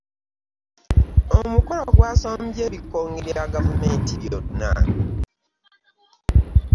Omukolo gwasombye ebikonge bya gavumenti byonna.